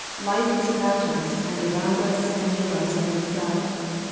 — Light is about us and around us and near us on every side.